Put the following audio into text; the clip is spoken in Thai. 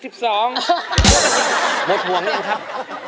หมดบ่วงแล้วครับ